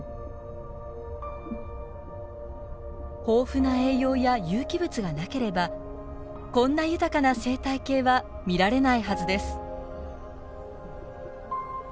豊富な栄養や有機物がなければこんな豊かな生態系は見られないはずです。